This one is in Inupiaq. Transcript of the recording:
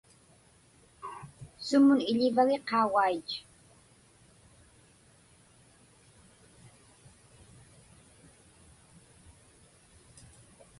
Sumun iḷivagi qaugait?